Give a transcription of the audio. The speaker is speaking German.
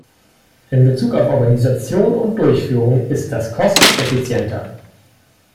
In Bezug auf Organisation und Durchführung ist das kosteneffizienter.